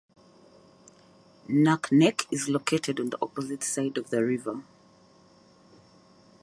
Naknek is located on the opposite side of the river.